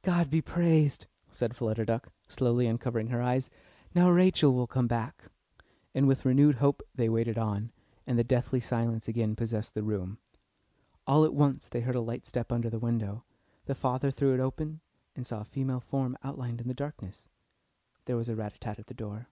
"God be praised!" said Flutter Duck, slowly uncovering her eyes. "Now Rachel will come back." And with renewed hope they waited on, and the deathly silence again possessed the room. All at once they heard a light step under the window; the father threw it open and saw a female form outlined in the darkness. There was a rat tat tat at the door.